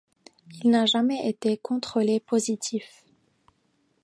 Il n'a jamais été contrôlé positif.